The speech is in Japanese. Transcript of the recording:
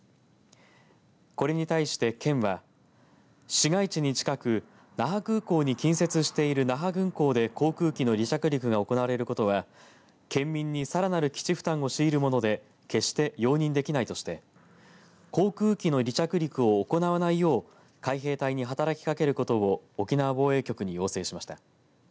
これに対して県は市街地に近く那覇空港に近接している那覇軍港で航空機の離着陸が行われることは県民にさらなる基地負担を強いるもので決して容認できないとして航空機の離着陸を行わないよう海兵隊に働きかけることを沖縄防衛局に要請しました。